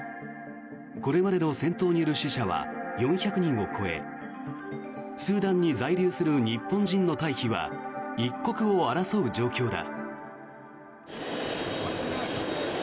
これまでの戦闘による死者は４００人を超えスーダンに在留する日本人の退避は、一刻を争う状況だ。